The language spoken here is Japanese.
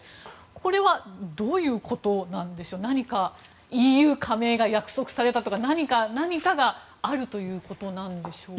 これはどういうことなんでしょうか何かＥＵ加盟が約束されたとか何かがあるということなんでしょうか？